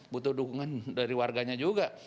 butuh dukungan dari warganya juga